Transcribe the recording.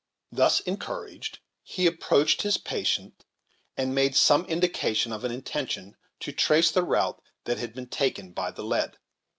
Thus encouraged, he approached his patient, and made some indication of an intention to trace the route that had been taken by the lead.